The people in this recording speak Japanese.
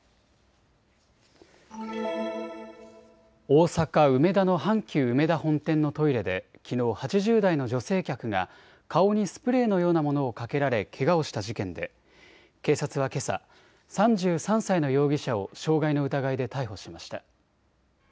大阪梅田の阪急うめだ本店のトイレできのう８０代の女性客が顔にスプレーのようなものをかけられけがをした事件で警察はけさ３３歳の容疑者を傷害の疑いで逮捕しました。